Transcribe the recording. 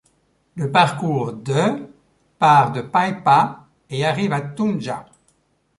Le parcours de part de Paipa et arrive à Tunja.